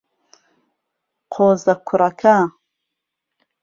قۆزە کوڕەکە.